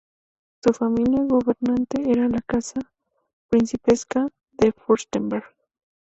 Su familia gobernante era la Casa principesca de Fürstenberg.